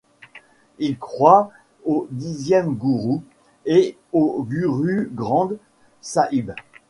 Ils croient au dixième gourou et au Guru Granth Sahib.